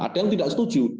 ada yang tidak setuju